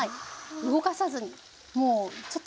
動かさずにもうちょっと我慢。